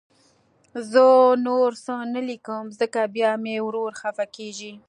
زه نور څه نه لیکم، ځکه بیا مې ورور خفه کېږي